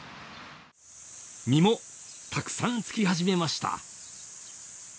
実もたくさんつき始めました。